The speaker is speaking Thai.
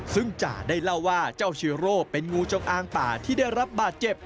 ซึ่งจ่าได้เล่าว่าเจ้าเชื้อโรคเป็นงูจงอางป่าที่ได้รับบาดเจ็บ